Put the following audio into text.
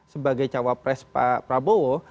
sebagai cawapres pak prabowo